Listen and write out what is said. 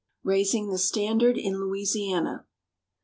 Raising the Standard in Louisiana.